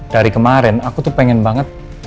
dari kemarin aku tuh pengen banget